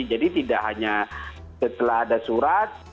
jadi tidak hanya setelah ada suatu